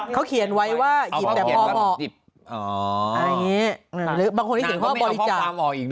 เขาเขียนไว้ว่าหยิบแต่พอพอบางคนเขียนว่าบริจักษ์